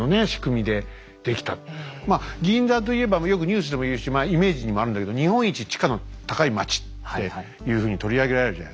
まあ銀座といえばよくニュースでも言うしまあイメージにもあるんだけど「日本一地価の高い街」っていうふうに取り上げられるじゃないですか。